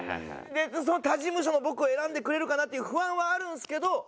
他事務所の僕を選んでくれるかな？っていう不安はあるんですけど